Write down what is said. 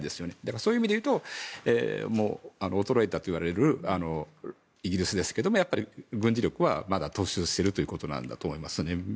そういう意味でいうと衰えたといわれるイギリスですけれどもやはり、軍事力はまだ突出しているということなんだと思います。